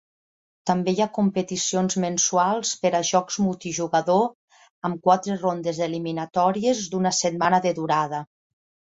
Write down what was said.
També hi ha competicions mensuals per a jocs multijugador amb quatre rondes eliminatòries d'una setmana de durada.